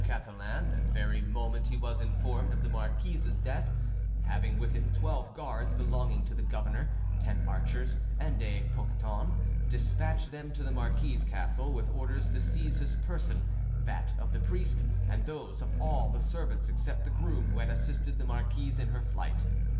Catalan, the very moment he was informed of the marquise's death, having with him twelve guards belonging to the governor, ten archers, and a poqueton,—despatched them to the marquis's castle with orders to seize his person, that of the priest, and those of all the servants except the groom who had assisted the marquise in her flight.